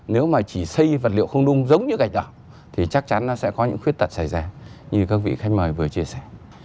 nếu mà chỉ xây vật liệu không nung giống như gạch đỏ thì chắc chắn nó sẽ có những khuyết tật xảy ra như các vị khách mời vừa chia sẻ